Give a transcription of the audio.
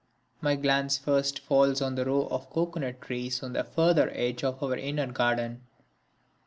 My glance first falls on the row of cocoanut trees on the further edge of our inner garden.